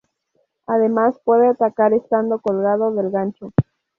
Además puede atacar estando colgado del gancho.